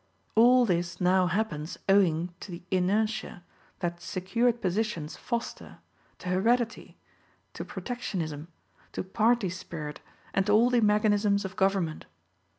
All this now happens owing to the inertia that secured positions foster, to heredity, to protectionism, to party spirit and to all the mechanism of government.